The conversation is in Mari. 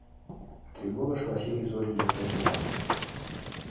Трибуныш Василий Зорин лектын шогале.